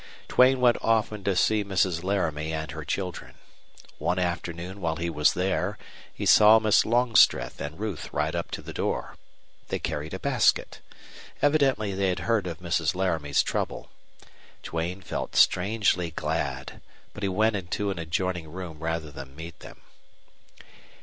Duane went often to see Mrs. Laramie and her children. One afternoon while he was there he saw Miss Longstreth and Ruth ride up to the door. They carried a basket. Evidently they had heard of Mrs. Laramie's trouble. Duane felt strangely glad, but he went into an adjoining room rather than meet them.